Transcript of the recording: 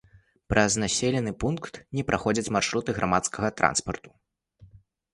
Праз населены пункт не праходзяць маршруты грамадскага транспарту.